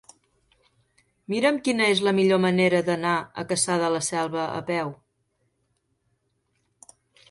Mira'm quina és la millor manera d'anar a Cassà de la Selva a peu.